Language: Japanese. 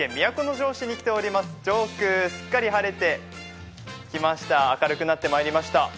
上空、すっかり晴れてきました明るくなってきました。